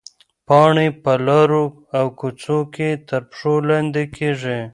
پاڼې په لارو او کوڅو کې تر پښو لاندې کېږي.